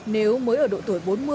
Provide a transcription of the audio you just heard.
nếu mới ở độ tuổi bốn mươi